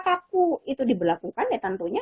kaku itu diberlakukan ya tentunya